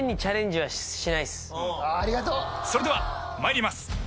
それでは参ります。